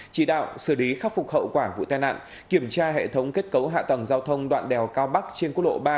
chỉ đạo xử lý khắc phục hậu quả vụ tai nạn kiểm tra hệ thống kết cấu hạ tầng giao thông đoạn đèo cao bắc trên quốc lộ ba